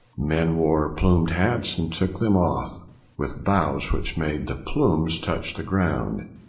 Men wore plumed hats, and took them off with bows which made the plumes touch the ground.